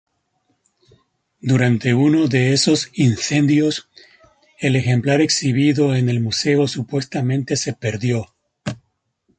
Durante uno de esos incendios, el ejemplar exhibido en el museo supuestamente se perdió.